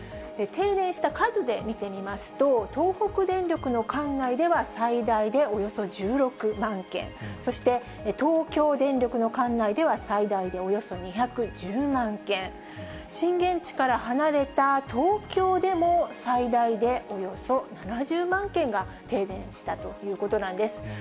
停電した数で見てみますと、東北電力の管内では最大でおよそ１６万軒、そして、東京電力の管内では、最大でおよそ２１０万軒、震源地から離れた東京でも最大でおよそ７０万軒が停電したということなんです。